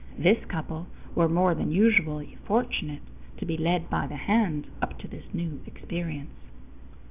This couple were more than usually fortunate to be led by the hand up to this new experience.